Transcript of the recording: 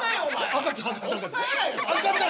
赤ちゃん。